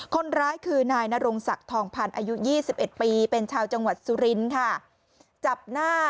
คนร้ายคือนายนรงศักดิ์ทองพันธ์อายุ๒๑ปีเป็นชาวจังหวัดสุรินทร์ค่ะจับหน้า